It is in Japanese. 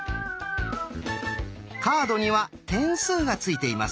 カードには点数がついています。